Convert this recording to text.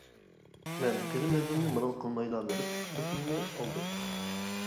مەن قېرى مەزلۇمنى مالال قىلمايلا بېرىپ تېلېفوننى ئالدىم.